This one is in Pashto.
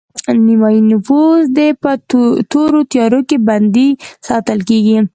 نیمایي نفوس دې په تورو تیارو کې بندي ساتل کیږي